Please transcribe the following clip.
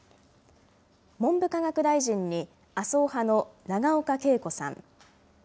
文部科学大臣に麻生派の永岡桂子さん。